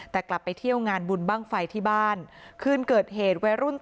แต่กลับไปเที่ยวงานบุญบ้างไฟที่บ้านคืนเกิดเหตุวัยรุ่น